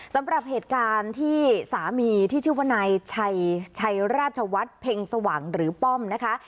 สำหรับเหตุการณ์ที่สามีที่ชื่อว่านายชัยชัยราชวัฒน์เพ็งสว่างหรือป้อมนะคะ